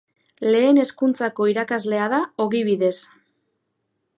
Lehen Hezkuntzako irakaslea da ogibidez.